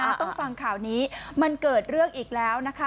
ต้องฟังข่าวนี้มันเกิดเรื่องอีกแล้วนะคะ